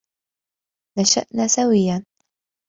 نشأنا سويّا.